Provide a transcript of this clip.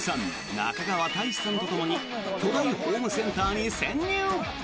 中川大志さんとともに巨大ホームセンターに潜入！